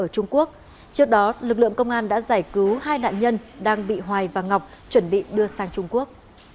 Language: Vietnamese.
trước đó lực lượng công an đã giải cứu hai nạn nhân đang bị hoài và ngọc chuẩn bị đưa sang trung quốc